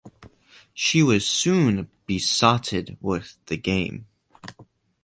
She was soon besotted with the game.